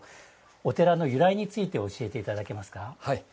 お寺の由来について教えていただけますか。